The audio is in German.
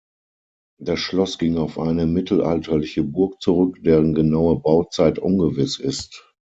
Das Schloss ging auf eine mittelalterliche Burg zurück, deren genaue Bauzeit ungewiss ist.